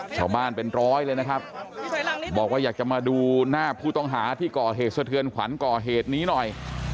ชาวบ้านเป็นร้อยเลยนะครับบอกว่าอยากจะมาดูหน้าผู้ต้องหาที่ก่อเหตุสะเทือนขวัญก่อเหตุนี้หน่อย